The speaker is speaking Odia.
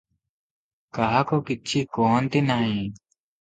କାହାକୁ କିଛି କହନ୍ତି ନାହିଁ ।